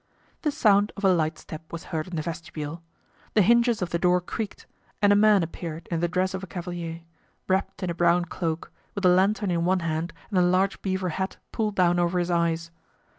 The sound of a light step was heard in the vestibule. The hinges of the door creaked and a man appeared in the dress of a cavalier, wrapped in a brown cloak, with a lantern in one hand and a large beaver hat pulled down over his eyes.